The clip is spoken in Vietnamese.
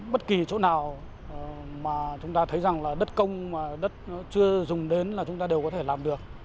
bất kỳ chỗ nào mà chúng ta thấy rằng là đất công mà đất nó chưa dùng đến là chúng ta đều có thể làm được